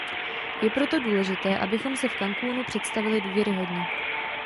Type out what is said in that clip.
Je proto důležité, abychom se v Cancúnu představili důvěryhodně.